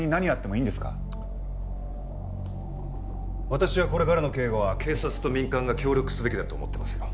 私はこれからの警護は警察と民間が協力すべきだと思ってますよ。